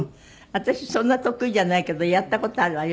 私そんな得意じゃないけどやった事あるわよ。